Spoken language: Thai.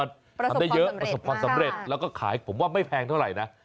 ประสบความสำเร็จประสบความสำเร็จแล้วก็ขายผมว่าไม่แพงเท่าไหร่น่ะ